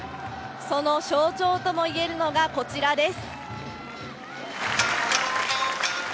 その象徴ともいえるのがこちらです。